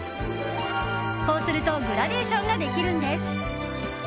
こうするとグラデーションができるんです。